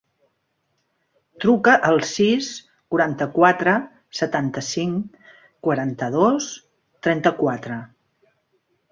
Truca al sis, quaranta-quatre, setanta-cinc, quaranta-dos, trenta-quatre.